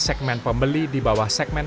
segmen pembeli di bawah segmen